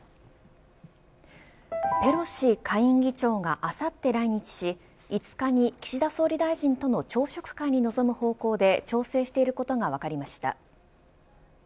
ペロシ下院議長があさって来日し５日に岸田総理大臣との朝食会に臨む方向で調整していることが分かりました。